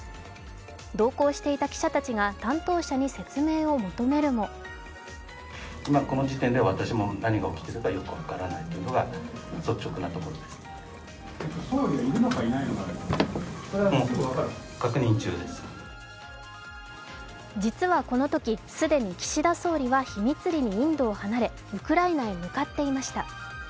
同行していた記者たちが担当者に説明を求めるも実はこのとき既に岸田総理は秘密裏にインドを離れウクライナへ向かっていました。